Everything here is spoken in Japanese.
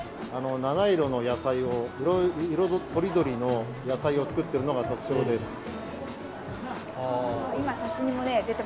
七色の野菜を色とりどりの野菜を作っているのが特徴です。